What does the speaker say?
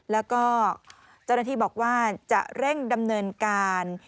แล้วก็เจ้าหน้าที่บอกว่าจะเร่งดำเนินการ